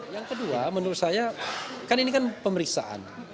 yang kedua menurut saya kan ini kan pemeriksaan